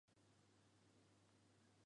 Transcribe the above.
— Уке, уке, ават нӧшмӧ-влак, огыт кӱл!